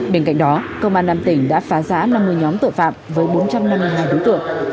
bên cạnh đó công an năm tỉnh đã phá giã năm mươi nhóm tội phạm với bốn trăm năm mươi hai đối tượng